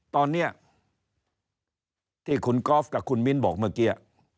ตอนนี้ที่คุณกอล์ฟกับคุณมิ้นบอกเมื่อกี้